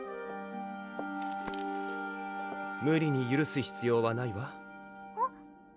無理にゆるす必要はないわ